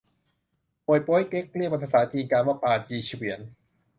มวยโป๊ยเก๊ก เรียกเป็นภาษาจีนกลางว่าปาจี๋เฉวียน